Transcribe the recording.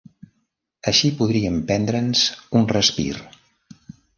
Així podríem prendre'ns un respir.